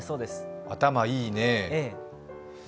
頭いいねぇ。